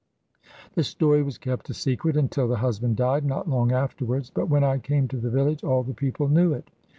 The story was kept a secret until the husband died, not long afterwards; but when I came to the village all the people knew it.